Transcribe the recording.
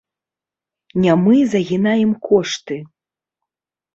Не мы загінаем кошты.